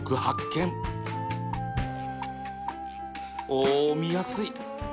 おお見やすい